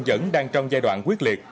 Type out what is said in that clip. vẫn đang trong giai đoạn quyết liệt